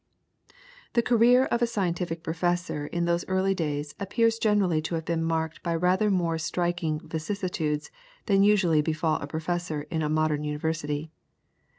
The career of a scientific professor in those early days appears generally to have been marked by rather more striking vicissitudes than usually befall a professor in a modern university.